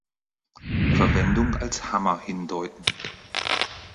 Verwendung als Hammer hindeuten.